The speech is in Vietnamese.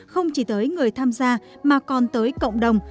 không chỉ tới người tham gia mà còn tới cộng đồng